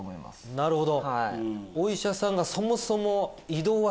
なるほど。